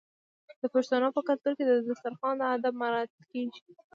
د پښتنو په کلتور کې د دسترخان اداب مراعات کیږي.